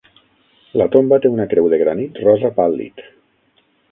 La tomba té una creu de granit rosa pàl·lid.